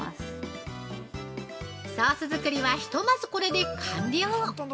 ◆ソース作りはひとまずこれで完了！